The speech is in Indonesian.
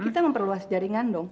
kita memperluas jaringan dong